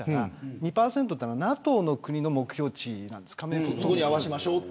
２％はＮＡＴＯの加盟国の目標値です。